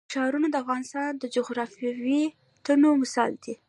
ښارونه د افغانستان د جغرافیوي تنوع مثال دی.